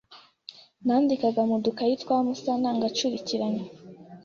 nandikaga mu dukaye twa Musana ngacurikiranya